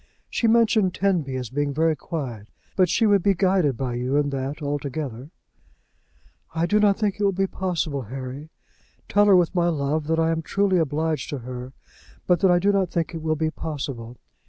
She mentioned Tenby as being very quiet, but she would be guided by you in that altogether." "I do not think it will be possible, Harry. Tell her with my love, that I am truly obliged to her, but that I do not think it will be possible.